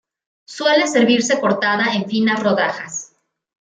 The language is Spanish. Suele servirse cortada en finas rodajas.